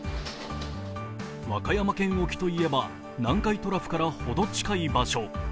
和歌山県沖といえば南海トラフからほど近い場所。